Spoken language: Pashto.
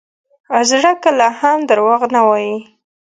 زړه کله هم دروغ نه وایي.